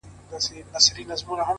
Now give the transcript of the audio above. شاوخوا ټولي سيمي،